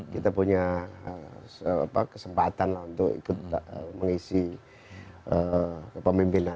kita punya kesempatan untuk mengisi pemimpinan